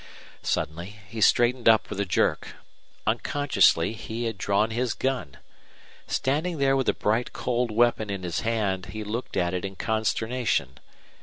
Suddenly he straightened up with a jerk. Unconsciously he had drawn his gun. Standing there with the bright cold weapon in his hand, he looked at it in consternation.